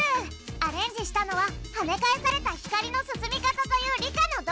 アレンジしたのは「はねかえされた光の進み方」という理科の動画クリップ！